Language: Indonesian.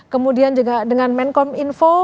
kemudian juga dengan menkom info